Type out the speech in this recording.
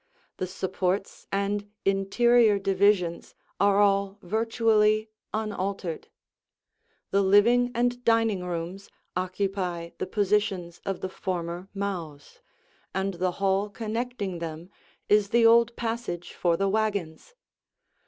The supports and interior divisions are all virtually unaltered. The living and dining rooms occupy the positions of the former mows, and the hall connecting them is the old passage for the wagons.